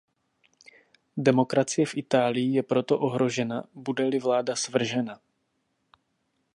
Demokracie v Itálii je proto ohrožena, bude-li vláda svržena.